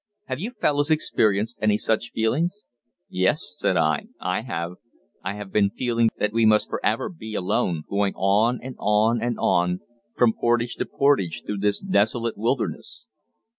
Have you fellows experienced any such feeling?" "Yes," said I; "I have. I have been feeling that we must forever be alone, going on, and on, and on, from portage to portage, through this desolate wilderness."